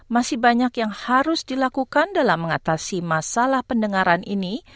masih banyak yang harus dilakukan dalam mengatasi masalah pendengaran ini